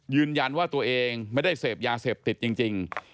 ยืนยันว่าตัวเองไม่ได้เสพยาเสพติดจริง